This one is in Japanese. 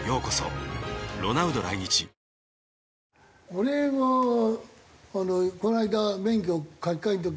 俺がこの間免許書き換える時